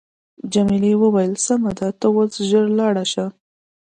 جميلې وويل: سمه ده ته اوس ژر ولاړ شه.